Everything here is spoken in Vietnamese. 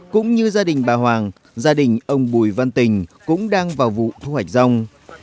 cũng như gia đình bà hoàng gia đình ông bùi văn tình cũng đang vào vụ thu hoạch rong